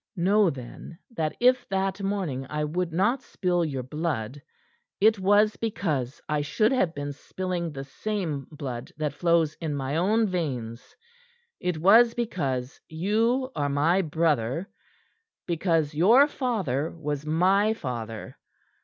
"Know, then, that if that morning I would not spill your blood, it was because I should have been spilling the same blood that flows in my own veins; it was because you are my brother; because your father was my father.